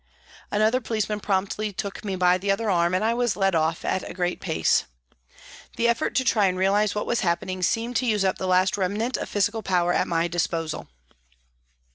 Another policeman promptly took me by the other arm and I was led off at a great pace. The effort to try and realise what was happening seemed to use up the last remnant of physical power at my disposal.